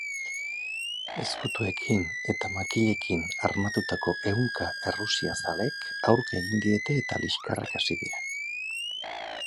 Ezkutuekin eta makilekin armatutako ehunka errusiazalek aurka egin diete eta liskarrak hasi dira.